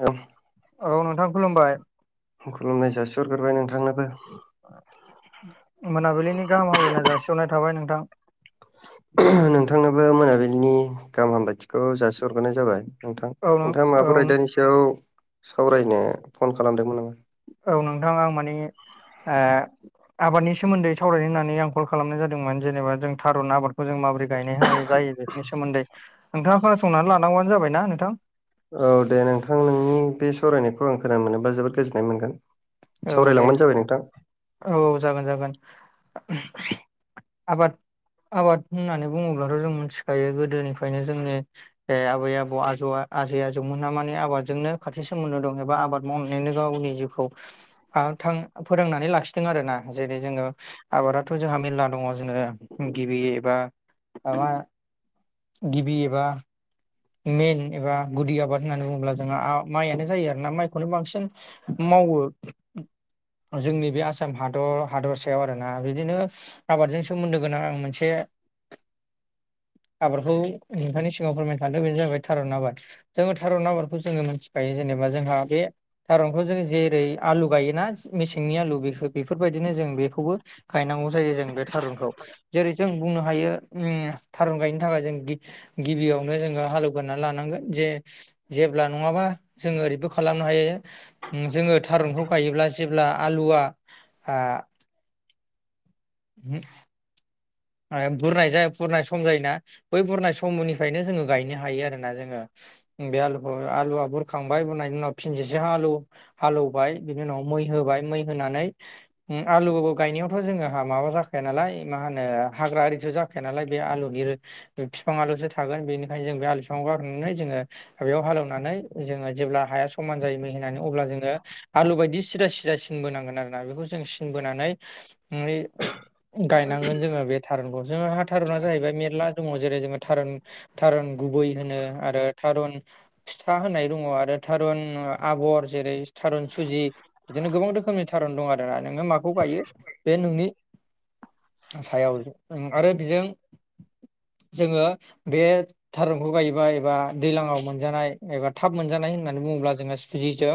औ औ नोंथां खुलुमबाय। खुलुमनाय जा सरग्रोबाय नोंथांनोबो। मोनाबिलिनि गाहाम हामलायनाया जासि'नाय थाबाय नोंथां। नोंथांनोबो मोनाबिलिनि गाहाम हामलायथिखौ जासिहरग्राय जाबाय। नोंथां औ नोंथाङा औ माबाफोरयदानि सायाव सावरायनो फन खालामदोंमोन आं। औ नोंथां आं माने आबादनि सोमोन्दै सावरायनो होननानै आंखल खालामनाय जादोंमोन जेनेबा जों थारुन आबाद जों माबोरै गायनो हायो जायो बेनि सोमोन्दै नोंथाङा खोनासंनानै लानांगौआानो जाबायनाा नोंथां? औ दे नोंथां नोंनि बे सावरायनायखौ आं खोनानो मोनोबा जोबोद गोजोननाय मोनगोन। औ दे सावरायलांबानो जाबाय नोंथां औ औ जागोन जागोन। आबाद आबाद होननानै बुङोब्लाथ' जों मिथिखायो गोदोनिफ्रायनो जोंनि ए आबै आबौ आ-आजै आजौमोना माने आबादजोंनो खाथि सोमोन्दो दं एबा आबाद मावनानैनो गावनि जिउ फोरोंनानै लाखिदों आरोना जेरै जोङो आबादाथ' जोंहा मेरला दङ जोङो गिबि एबा माबा गिबि एबा मइन एबा गुदि आबाद होननानै बुङोब्ला जोंहा माइयानो जायो आरो ना माइखौनो बांसिन मावो जोंनि बे आसाम हादर हादर सायाव आरोना बिदिनो आबादजों सोमोन्दो गोनां आं मोनसे आबादखौ नोंथांनि सिगाङाव फोरमायनो थादों बेनो जाबैाय थारुन आबाद जोङो थार' नाम्बारखौ जोङो मिथिखायो जेनेबा जोंहा बे थारुनखौ जों जेरै आलु गायोना मेसेंनि आलु बे बेफोरबायदिनो जों बेखौबो गायनांगौ जायो जों बे थारुनखौ। जेरै जों बुंनो हायो थारुन गायनो थाखाय जों गिबियाव नो जोङो हालेवगनानै लानांगोन जे जेब्ला नङाबा जोङो ओरैबो खालामनो हायो। जोङो थारुनखौ गायोब्ला जेब्ला आलुआ बुरनाय ज बुरनाय सम जायोना? बै बुरनाय समनिफ्रायनो जोङो गायनो हायो आरोना जोङो? बे आलुखौ आलुआ बुरखांबाय बनायनि उनाव फिनजिस आलु हालौवबाय बिनि उनाव मै होबाय मै होनानै आलु गो गायनायावथ' जोङो जोंहा माबा जाखाया नालाय मा होनो हाग्रा आरिस जाखाया नालाय बे आलुनि बिफां आलुसो थागोन बेनिखायनो जों बे आलु बिफांखौ गारोननानै जोङो बेयाव हालेवनानै जोङो जेब्ला हाया समान जायो मोहनानै अब्ला जोङो आलु बायदि सिरा सदा सिनबोनांगोन आरोोना बेखौ जों सिनबोनानै गायनांगोन जोङो बे थारुनखौ जोंहा हा थारुनना जाहैबाय मेरला दङ जेरै जोङो थारुन थारुन गुबै होनो आरो थारुन फिथा होनाय दङ आरो थारुन आबर जेरै थारुन सुजि बिदिनो गोबां रोखोमनि थारन दं आरोोना नोङो माखौ बायो बे नोंनि सायाव आरो बेजों जोङो बे थारुनखौ गायोबाया एबा दैज्लाङाव मोनजानाय एबा थाब मोनजानाय होननानै बुङोब्ला जोङो सुजिजों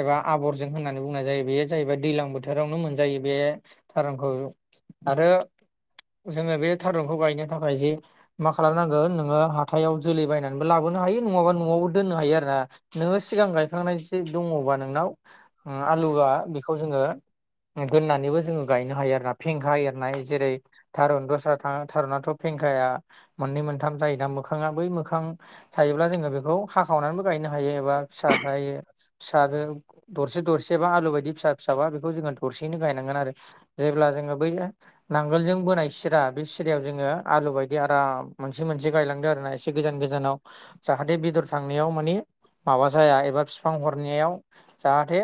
एबा आबरजों होननानै बुंनाय जायो बेयो जाहैबाय दैजलां बोथोरावनो मोनजायो बे थारुनखौ आरो जोङो बे थारुनखौ गायनो थाखाय जिे मा खालामनांगोन नोङो हाथायाव जोलै बायनानैबो लाबोनो हायो नङाबा न'आवबो दोननो हायो आरो ना। नोङो सिगां गायखांनाय जे दङबा नोंनाव ओ आलुआ बेखौ जोङो दोननानैबो जोङो गायनो हायो आरो ना फेंखा एरनाय जेरै थारुन दस्रा थाङो थारनाथ' फेंखाया। मोननै मोनथाम जायो दा मोखाङा बै मोखां थायोब्ला जोङो बेखौ हाखावनानैबो गायनो हायो एबा फिसा जायो फिसाबो दरसे दरसेबा आलु बायदि फिसा फिसाबा बेखौ जोङो दरसेैनो गायनांगोन आरो जेब्ला जोङो बै नांगोलजों बोनाय सिरा बे सिरिायाव जोङो आलु बायदि बिदि आराम मोनसे मोनसे गायलांदों आरो ना एसे गोजान गोजानाव जाहाथे बेदर थांनायाव मानिे माबा जाया एबा बिफां हरनायाव जाहाथे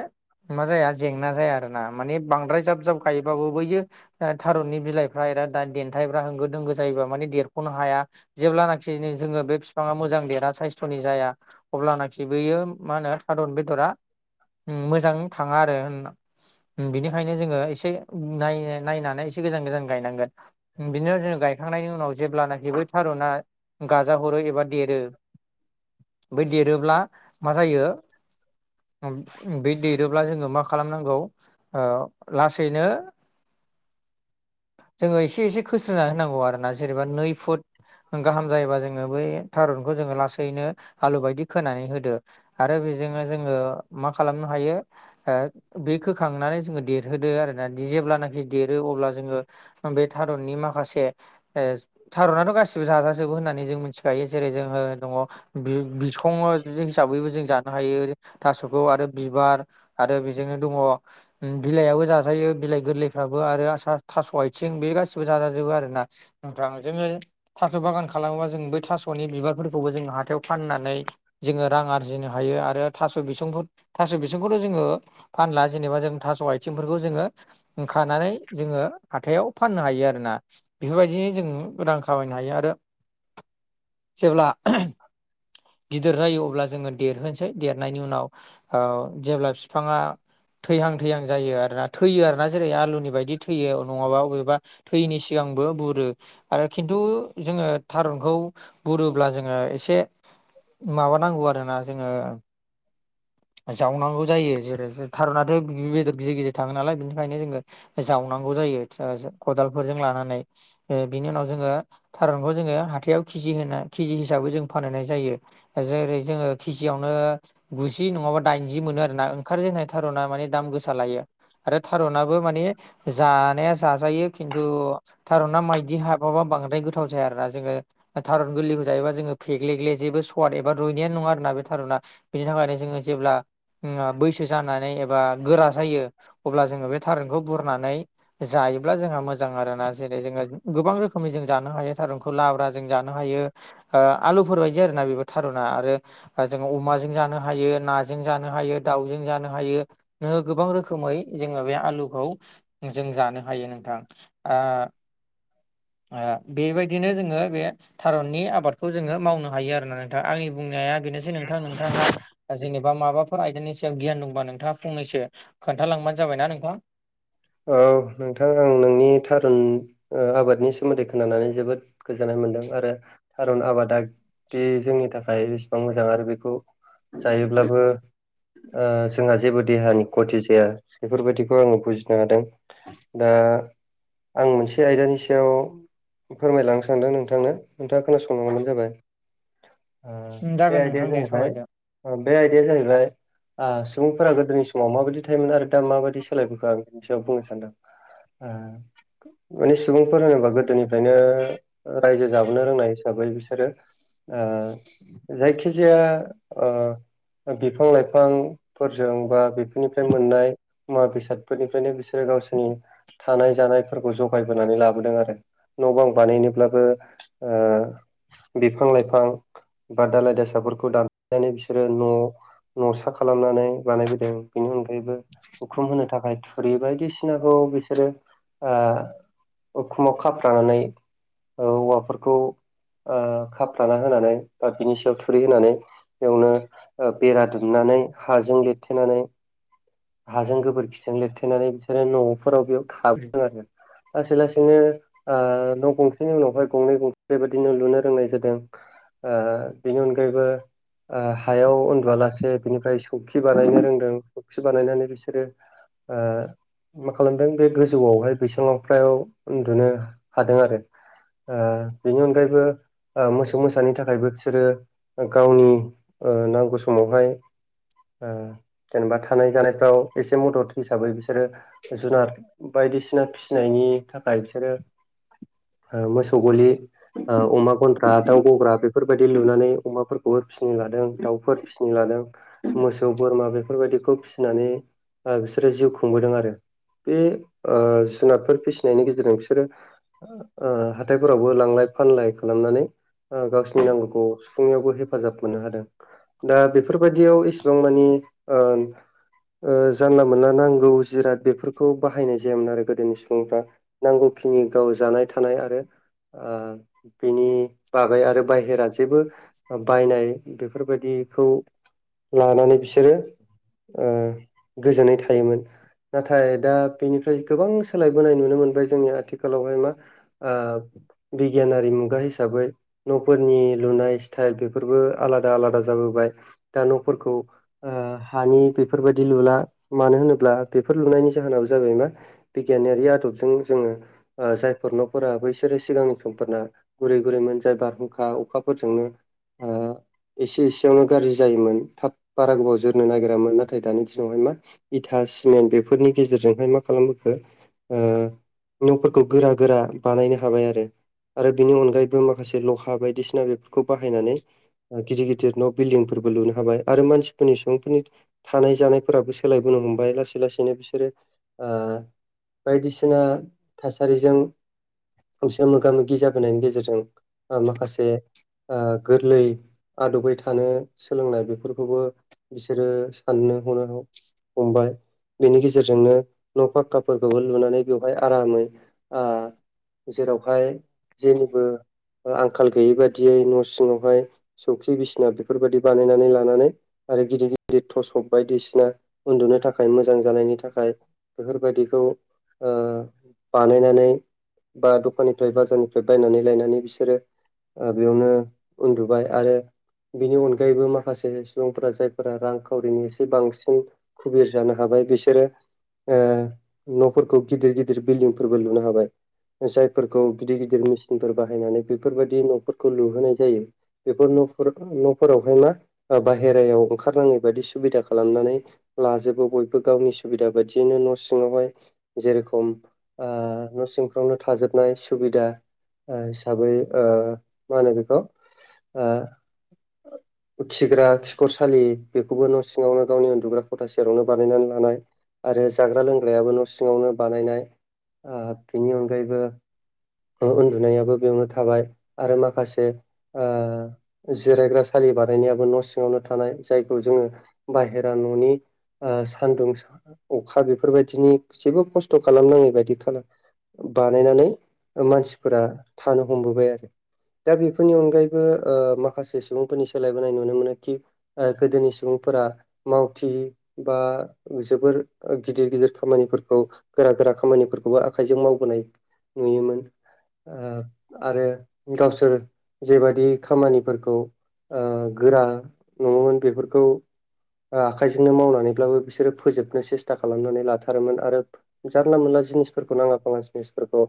मा जाया जेंना जाया आरो ना मानिे बांद्राय जाब जाब गायोबाबो बैयो थारुननि बिलाइफ्रा एरा दा देन्थाइफ्रा होंगो दोंगो जायोबा माने देर नो हाया जेब्लानख जोङो बे बिफाङा मोजां देरा सनि जाया अब्लानाखि बेयो मा होनो थादर बेदरा मोजां थाङा आरो होनना बिनिखायनो जोङो एसे से नाय नायनानै एसे गोजान गोजान गायनांगोन। बिदिनो जोङ गायखांनायनि उनाव जेब्लानाखि बै थारुना गाजा हरो एबा देरो। बै देरोब्ला मा जायो बे जेब्ला जोंङो मा खालाम नांगौ ओ लास नो जोंङो एसे एसे खोस्रोना होनांगौ आरो ना। जेनेबा नै फुट गाहाम जायोबा जोंङो बै थारुनखौ जोंङो लासैनो आलु बायदि खोनानै होदो। आरो बेजोंनो जोंङो मा खालामनो हायो? बेखौ खोखांनानै जोंङो देरहोदो आरो। जेब्लानाखि देरो अब्ला जोंङो बे थारननि माखासे ए थार'नाथ' गासिबो जाजाजोबो होननानै जों मिथिखायो जों जेरै जोंङो दङ बिसङ हिसाबैबो जों जानो हायो। थास'खौ आरो बिबार आरो बेजोंनो दङ बिलाइाबो जा ओायो बिलाइ गोरलैफ्राबो आरो आ थास' आथिं बे गासिबो जाजोबो आरो ना। [unintelligible] जों थास' बागान खालामोबा जों बै थास'नि बिबारफोरखौबो जों हाथायाव फाननानै जोङो रां आरजिनो हायो आरो थास' बिसंफोर थास' बिसंखौथ' जोङो फानला जेनेबा जों थास' आइथिंफोरखौ जोङो खानानै जोङो हाथायाव फाननो हायो आरोना? बेफोरबायदि जोंङो गोदान खामायनो हायो आरो जेब्ला गिदिर जायो अब्ला जो देरहसै देरनायनि उनाव जेब्ला बिफांङा थैहां थैहां जायो आरोना। थैयो आर ना जेरै आलुनि बायदि थैयो नङाबा बबेबा थैनि सिगांबो बुरो। आरो खिन्थु जोंङो थारुनखौ बुरोब्ला जोंङो एसे माबाानांगौ आरोना जोङो जावनांगौ जायो जेरै थारनाथ'द गिदिर गिदिर थाङो नालाय बिनि थाखायायनो जोंङो जावनांगौ जायो खदालफोरजों लानानै। बिनि उनाव जोंङो थारुनखौ जोङो हाथायाइाव केिजि होना केजि हिसाबै जों फानहनाय जायो। जेरै जोंङो केिजयाववनो गुजि नंङाबा दाइनजि मोनो आरोना ओंखारजेननाय थार'ना माने दाम गोसा लायो। आरो थारनाबो माने जानाया जाजायो खिन्थु थार'ना माइदि हाबाबा बांद्राय गोथाव जाया आरोना जोंङो थारुन गोरलैखौ जायोबा जो फे्लेग्ले जेबो पवाद एबा रुइनाया नङा आरो ना बे थारुना बेनि थाखायनो जोंङो जेब्ला बैसो जानानै एबा गोरा जायो अब्ला जोंङो बे थारुनखौ गुरनानै जायोब्ला जोंहा मोजां आरोना जेरै जोंङो गोबां रोखोमै जों जानो हायो थारुनखौ लाब्रा जों जानो हायो। ओ आलुफोर बायदि आरो ना बेफोर थारुना आरो जों अमाजों जानो हायो नाजों जानो हायो दाउजों जानो हायो। नो गोबां रोखोमै जोंङो बे आलुखौ जों जानो हायो नोंथां। ओ ओ बेबायदिनो जोंङो बे थारुननि आबाद खौ जोंङो मावनो हायो आरो ना नोंथां आंनि बुंनाया बेनोसै नोंथां नोंथांङा ओ जेनेबा माबाफोर आयदानि सायाव गियान दंबा नोंथांङा फंनैसो खोनथालांबानो जाबायना नोंथां औ नोंथां आं नोंनि थारुन ओ आबादनि सोमोन्दै खोनानानै जोबोद गोजोननाय मोन्दों आरो थारुन आबादा दि जोंनि थाखाय बेसेबां मोजां आरो बेखौ जायोब्लाबो ओ जोंहा जेबो देहानि खथि जाया बेफोरबायदिखौ आङो बुजिनो हादों। दा आं मोनसे आयदानि सायाव फोरमायलांनो सानदों नोंथांनो नोंथांङा खोनासं लांबानो जाबाय ओ बे जागोन आयदाया नोंथां दे जाहैबाय सावरायदो बे आयदाया जाहैबाय आ सुबुंफोरा गोदोनि समाव माबायदि थायोमोन आरो दा माबायदि सोलायबोखो ओं बेनि सायाव बुंनो सानदों ओ [inaudible] माने सुबुंफोर होनोबा गोदोनिफ्रायनो रायजो जाबोनो रोंनाय हिसाबै बिसोरो ओ जायखि जायखिजाया ओ बिफां लाइफांफोरजों बा बेफोरनिफ्राय मोननाय मुवा बेसादफोरनिफ्रायनो बिसोरो गावसोरनि थानाय जानायफोरखौ जगायबोनानै लाबोदों आरो न' बां बानायनोब्लाबो ओ बिफां लाइफां बा दालाय दासाफोरखौ दानफायनानै बिसोरो न' न'सा खालामनानै बानायबोदों बेनि अनगायैबो उखुम होनो थाखाय थुरि बायदिसिनाखौ बिसोरो ओ उखुमाव खाफ्र्लानानै ओ औवाफोरखौ ओ खाफ्राना होनानै बा बिनि सायाव थुरि होनानै बेयावनो ओ बेरा दुमनानै हाजों लिरथेनानै हाजों गोबोरखिजों लिरथेनानै बिसोरो न'फोराव बेयाव थाबोदों आरो लासै लासैनो ओ न' गंसेनि उनावहाय गंनै गंसे बेबायदिनो लुनो रोंनाय जादों। ओ बेनि अनगायैबो हायाव उन्दुवलासे बिनिफ्राय सौखि बानायनो रोंदों सौखि बानायनानै बिसोरो ओ मा खालामदों बे गोजौआवहाय बैसां लांफ्रायाव उन्दुनो हादों आरो। ओ बेनि अनगायैबो ओ मोसौ मोसानि थाखायबो बिसोरो गावनि ओ नांगौ समावहाय ओ जेनेबा थानाय जानायफ्राव एसे मदद हिसाबै बिसोरो जुनार बायदिसिना फिसिनायनि थाखाय बिसोरो ओ मोसौ गलि ओ अमा गन्द्रा दाउ गग्रा बेफोरबायदि लुनानै अमाफोरखौ गफोर फिसिनो लादों दाउफोर फिसिनो लादों मोसौ बोरमा बेफोरबायदिखौ फिसिनानै ओ बिसोरो जिउ खुंबोदों आरो। बे ओ जुनादफोर फिसिनायनि गेजेरजों बिसोरो हाथायफोरावबो लांलाय फानलाय खालामनानै ओ गावसिनि नांगौखौ सुफुंनायावबो हेफाजाब मोननो हादों दा बेफोर बेफोरबायदियाव एसेबां मानि ओ ओ जानला मोनला नांगौ जिराद बेफोरखौ बाहायनाय जायामोन आरो गोदोनि सुबुंफ्रा नांगौखिनि गाव जानाय थानाय आरो ओ बिनि बाबाय आरो बाहेरा जेबो बायनाय बेफोरबायदिखौ लानानै बिसोरो ओ गोजोनै थायोमोन। नाथाय दा बेनिफ्राय गोबां सोलायबोनाय नुनो मोनबाय जोंनि आथिखालावहाय मा ओ बिगियानारि मुगा हिसाबै न'फोरनि लुनाय स्टाइल बेफोरबो आलादा आलादा जाबोबाय दा न'फोरखौ ओ हानि बेफोरबायदि लुला मानो होनोब्ला बेफोर लुनायनि जाहोनानो जाबाय मा बिगियानारि आदबजों जोङो ओ जायफोर न'फोरा बैसोरो सिगां समफोरना गुरै गुरैमोन जाय बारहुंखा अखाफोरजोंनो ओ एसे एसेयावनो गाज्रि जायोमोन थाब बारा गोबाव जोरनो नागिरामोन ना नाथाय दानि दिनावहाय मा इथा सिमेन्ट बेफोरनि गेजेरजोंहाय मा खालामबोखो ओ न'फोरखौ गोरा गोरा बानायनो हाबाय आरो आरो बिनि अनगायैबो माखासे लहा बायदिसिना बेफोरखौ बाहायनानै गिदिर गिदिर न' बिल्डिंफोरबो लुनो हाबाय आरो मानसिफोरनि सुबुंफोरनि थानाय जानायफोराबो सोलायबोनो हमबाय लासै लासैनो बिसोरो ओ बायदिसिना थासारिजों खांसे मोगा मोगि जाबोनायनि गेजेरजों ओ माखासे ओ गोरलै आदबै थानो सोलोंनाय बेफोरखौबो बिसोरो साननो हनो हमबाय बेनि गेजेरजोंनो न' फाखक्काफोरखौबो लुनानै बेवहाय आरामै ओ जेरावहाय जेनिबो आंखाल गैयै बादियै न' सिङावहाय सौखि बिसिना बेफोरबायदि बानायनानै लानानै आरो गिदिर गिदिर टसप बायदिसिना उन्दुनो थाखाय मोजां जानायनि थाखाय बेफोरबायदिखौ ओ बानायनानै बा दखाननिफ्राय बाजारनिफ्राय बायनानै लायनानै बिसोरो बेयावनो उन्दुबाय आरो बिनि अनगायैबो माखासे सुबुंफोरा जायफोरा रां फावरिनि एसे बांसिन खुबिर जानो हाबाय बिसोरो ओ न'फोरखौ गिदिर गिदिर बिल्डिंफोरबो लुनो हाबाय जायफोरखौ गिदिर गिदिर मेसिनफोर बाहायनानै बेफोरबायदि न'फोरखौ लुहोनाय जायो बेफोर न'फोर न'फोरावहाय मा ओ बाहेरायाव ओंखारनाङै बायदि सुबिदा खालामनानै लाजोबो बयबो गावनि सुबिदा बायदियैनो न' सिङावहाय जेरेखम ओ न' सिंफ्रावनो थाजोबनाय सुबिदा ओ हिसाबै ओमा होनो बेखौ ओ खिग्रा खिखरसालि बेखौबो न' सिङावनो गावनि उन्दुग्रा खथा सेरावनो बानायनानै लानाय आरो जाग्रा लोंग्रायाबो न' सिङावनो बानायनाय ओ बेनि अनगायैबो उन्दुनायाबो बेयावनो थाबाय आरो माखासे ओ जिरायग्रा सालि बानायनायाबो न' सिङावनो थानाय जाय खौ जोङो बाहेरा न'नि ओ सान्दुं अखा बेफोरबायदिनि जेबो खस्थ' खालामनाङै बायदि खा बानायनानै मानसिफोरा थानो हमबोबाय आरो दा बेफोरनि अनगायैबो ओ माखासे सुबुंफोरनि सोलायबोनाय नुनो मोनो खि गोदोनि सुबुंफोरा मावथि बा जोबोर गिदिर गिदिर खामानिफोरखौ गोरा गोरा खामानिफोरखौबो आखाइजों मावबोनाय नुयोमोन आ आरो गावसोर जेबादि खामानिफोरखौ ओ गोरा नङोमोन बेफोरखौ ओ आखाइजोंनो मावनानैब्लाबो बिसोरो फोजोबनो सेस्था खालामनानै लाथारोमोन आरो जानला मोनला जिनिसफोरखौ नाङा फाङा जिनिसफोरखौ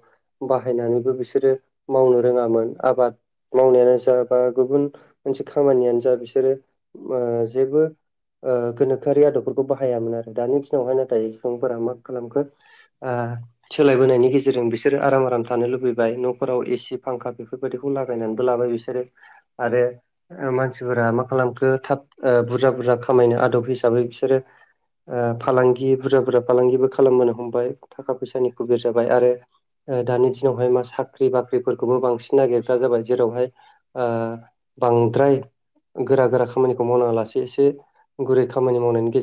बाहायनानैबो बिसोरो मावनो रोङामोन आबाद मावनायानो जा बा गुबुन मोनसे खामानियानो जा बिसोरो ओ जेबो ओ गोनोखोआरि आदबफोरखौ बाहायामोन आरो दानि दिनावहाय नाथाय सुबुंफोरा मा खालामखो आ सोलायबोनायनि गेजेरजों बिसोरो आराम आराम थानो लुबैबाय न'फोराव एसि फांखा बेफोर बेबायदिखौ लागायनानैबो लाबाय बिसोरो आरो मानसिफोरा मा खालामखो थ बुरजा बुरजा खामायनो आदब हिसाबै बिसोरो फालांगि बुरजा बुरजा फालांगिबो खालामबो हमबाय थाखा फैसानि खुबेर जाबाय आरो। दानि दिनावहाय मा साख्रि बाख्रिफोरखौबो बांसिन नागिरग्रा जाबाय जेरावहाय ओ बांद्राय गोरा गोरा खामानि मावनााङा लासे एसे गुरै खामानि मावनायनि गेजेराव